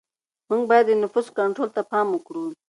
موږ باید د نفوس کنټرول ته پام وکړو.